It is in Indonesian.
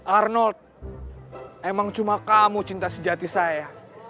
arnold emang cuma kamu cinta sejati saya